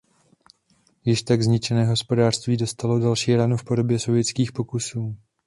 Již tak zničené hospodářství dostalo další ránu v podobě sovětských pokusů.